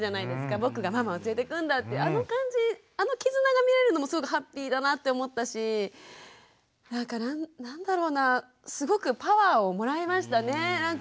僕がママを連れてくんだってあの感じあの絆が見えるのもすごくハッピーだなって思ったしなんか何だろうなすごくパワーをもらいましたねなんか。